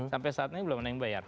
sampai saat ini belum ada yang bayar